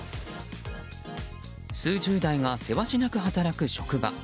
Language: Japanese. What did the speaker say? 数十台がせわしなく働く職場。